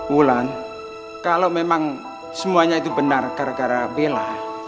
bulan kalau memang semuanya itu benar gara gara bella